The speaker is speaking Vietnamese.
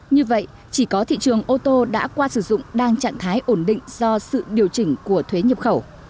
như vậy chỉ có thị trường ô tô đã qua sử dụng đang trạng thái ổn định do sự điều chỉnh của thuế nhập khẩu